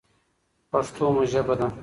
پښتو مو ژبه ده.